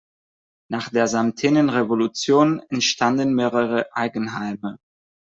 Nach der Samtenen Revolution entstanden mehrere Eigenheime.